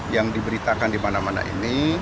yang diberitakan di mana mana ini